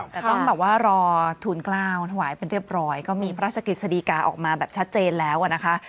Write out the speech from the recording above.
แต่ต้องแบบว่ารอทูลกล้าวถวายเป็นเรียบร้อยก็มีพระราชกฤษฎีกาออกมาแบบชัดเจนแล้วนะคะ